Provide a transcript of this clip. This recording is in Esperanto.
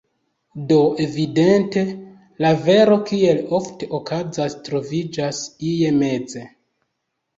Do evidente, la vero, kiel ofte okazas, troviĝas ie meze.